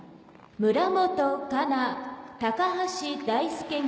村元哉中・高橋大輔組。